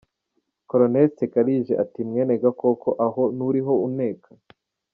Colonel Nsekalije ati mwene Gakoko aho nturiho uneka?